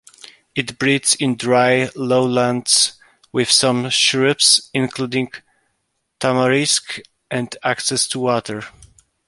It breeds in dry lowlands with some shrubs, including tamarisk, and access to water.